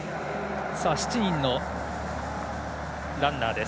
７人のランナーです。